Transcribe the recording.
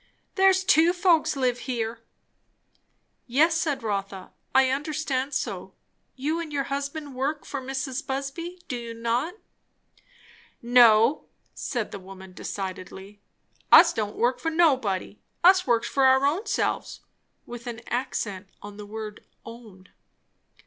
"There's two folks lives here." "Yes," said Rotha, "I understood so. You and your husband work for Mrs. Busby, do you not?" "No," said the woman decidedly. "Us don't work for nobody. Us works for our ownselves;" with an accent on the word "own."